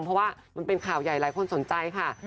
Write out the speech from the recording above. เพราะว่ามันเป็นข่าวใหญ่หลายคนสนใจค่ะ